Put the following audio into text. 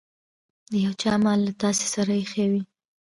د يو چا مال له تاسې سره ايښی وي.